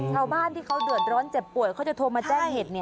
ชาวบ้านที่เขาเดือดร้อนเจ็บป่วยเขาจะโทรมาแจ้งเหตุ